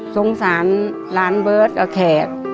สงสารหลานเบิร์ตกับแขก